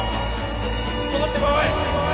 戻ってこい！